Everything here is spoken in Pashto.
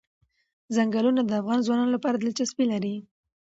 ځنګلونه د افغان ځوانانو لپاره دلچسپي لري.